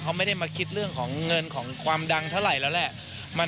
เขาไม่ได้มาคิดเรื่องของเงินของความดังเท่าไหร่แล้วแหละ